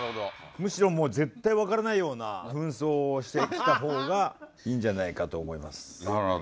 むしろもう絶対分からないような扮装をしてきた方がいいんじゃないかと思います。